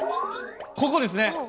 ここですね。